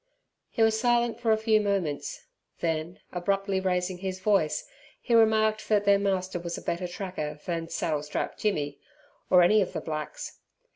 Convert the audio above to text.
He was silent for a few moments, then, abruptly raising his voice, he remarked that their master was a better tracker than "Saddle strap Jimmy", or any of the blacks.